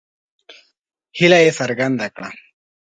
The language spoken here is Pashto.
هیله یې څرګنده کړه.